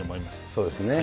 そうですね。